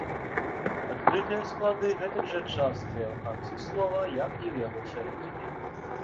Адкрытыя склады гэтак жа частыя ў канцы слова, як і ў яго сярэдзіне.